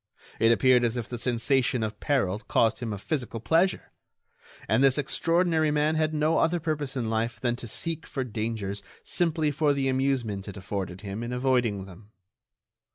It appeared as if the sensation of peril caused him a physical pleasure; and this extraordinary man had no other purpose in life than to seek for dangers simply for the amusement it afforded him in avoiding them.